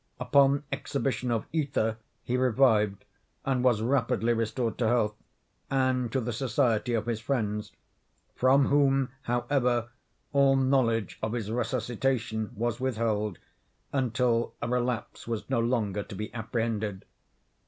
Upon exhibition of ether he revived and was rapidly restored to health, and to the society of his friends—from whom, however, all knowledge of his resuscitation was withheld, until a relapse was no longer to be apprehended.